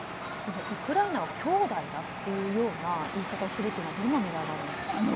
ウクライナは兄弟だという言い方をするというのはどんな狙いがあるんですか？